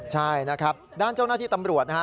ใช่นะครับด้านเจ้าหน้าที่ตำรวจนะฮะ